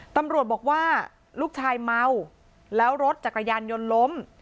ตำรวจบอกว่าลูกชายเมาแล้วรถจักรยานยนต์ล้ม